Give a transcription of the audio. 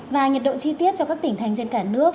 và nhiệt độ chi tiết cho các tỉnh thành trên cả nước